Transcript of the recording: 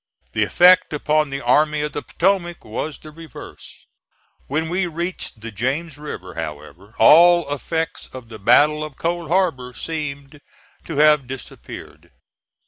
The effect upon the Army of the Potomac was the reverse. When we reached the James River, however, all effects of the battle of Cold Harbor seemed to have disappeared.